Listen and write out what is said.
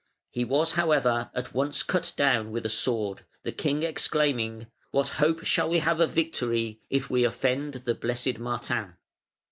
He was, however, at once cut down with a sword, the king exclaiming. "What hope shall we have of victory if we offend the blessed Martin?"